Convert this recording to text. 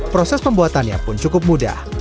proses pembuatannya pun cukup mudah